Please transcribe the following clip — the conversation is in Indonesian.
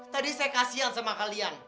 tadi saya kasian sama kalian